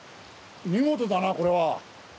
見事だなこれは。